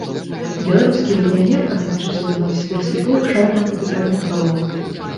Беларускі легіянер адзначыўся за навасібірскі клуб шэрагам капітальных галоў.